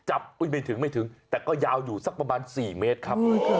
จับไม่ถึงแต่ก็ยาวอยู่สักโปรน๔เมตรครับ